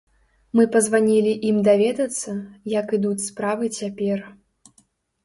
Мы пазванілі ім даведацца, як ідуць справы цяпер.